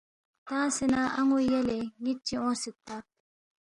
تنگسے نہ ان٘و یلے، نِ٘ت چی اونگسیدپا